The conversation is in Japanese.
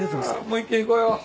もう１軒行こうよ